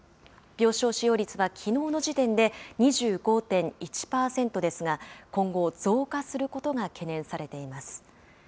病床使用率はきのうの時点で２５．１％ですが、今後、増加することが懸念されています。